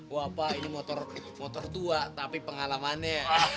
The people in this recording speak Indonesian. wah pak ini motor tua tapi pengalamannya